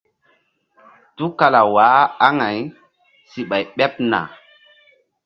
Tukala waah aŋay si ɓay ɓeɓ na.